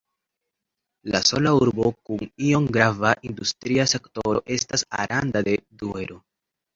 La sola urbo kun iom grava industria sektoro estas Aranda de Duero.